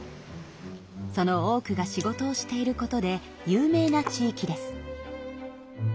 その多くが仕事をしていることで有名な地域です。